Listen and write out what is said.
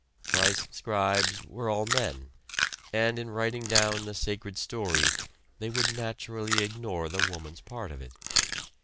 Christ's scribes were all men, and in writing down the sacred story, they would naturally ignore the woman's part of it.